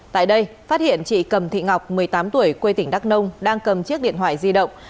tại đây phát hiện chị cầm thị ngọc một mươi tám tuổi quê tỉnh đắk nông đang cầm chiếc điện thoại di động